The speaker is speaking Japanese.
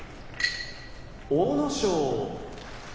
阿武咲